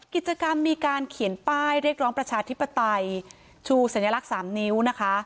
กิจกรรมมีการเขียนป้ายเรียกร้องประชาธิปไตยชูสัญลักษณ์๓นิ้วนะคะ